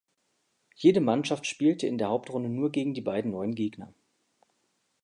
Jede Mannschaft spielte in der Hauptrunde nur gegen die beiden neuen Gegner.